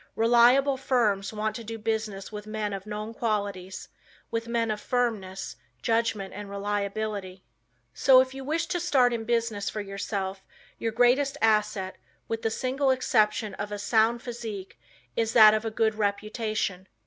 Reliable firms want to do business with men of known qualities, with men of firmness, judgment and reliability. So if you wish to start in business for yourself your greatest asset, with the single exception of a sound physique, is that of a good reputation.